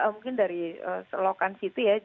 mungkin dari selokan situ ya